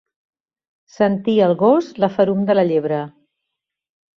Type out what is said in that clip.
Sentir, el gos, la ferum de la llebre.